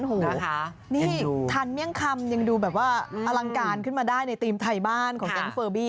วันนั้นไม่ดูทางเนื้องค่ำยองดับอลังการขึ้นมาได้ในตริมถัยบ้านของเฟอร์บี